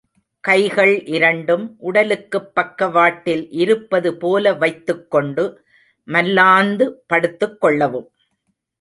கைகள் இரண்டும் உடலுக்குப் பக்கவாட்டில் இருப்பது போல வைத்துக் கொண்டு மல்லாந்து படுத்துக் கொள்ளவும்.